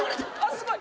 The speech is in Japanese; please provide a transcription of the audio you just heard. すごい